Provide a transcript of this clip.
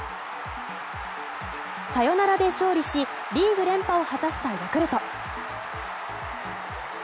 サヨナラで勝利しリーグ連覇を果たしたヤクルト。